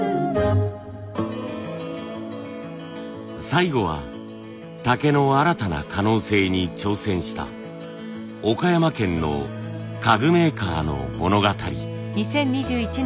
最後は竹の新たな可能性に挑戦した岡山県の家具メーカーの物語。